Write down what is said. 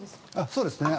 そうですね。